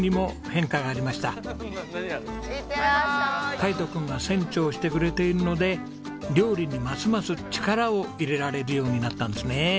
海斗君が船長をしてくれているので料理にますます力を入れられるようになったんですね。